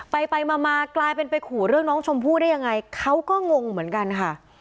ไปไปมามากลายเป็นไปขู่เรื่องน้องชมพู่ได้ยังไงเขาก็งงเหมือนกันค่ะ